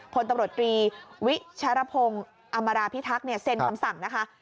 คนตตรีวิชารพงศ์อำมาราพิทักษ์เซ็นคำสั่งนะคะ